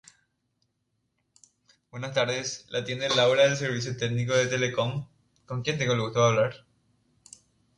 El navegador no permite instalar cookies ni la incrustación de software de terceras partes.